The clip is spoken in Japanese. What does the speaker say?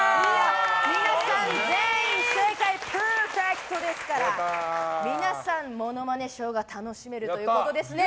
皆さん、全員正解パーフェクトですから皆さん、モノマネショーが楽しめるということですね。